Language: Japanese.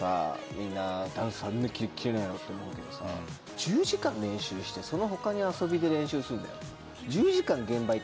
みんなダンスあんなキレッキレなの？って思うけどさ１０時間練習してその他に遊びで練習するんだよ？